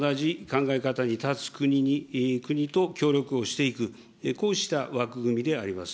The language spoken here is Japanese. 同じ考え方に立つ国と協力をしていく、こうした枠組みであります。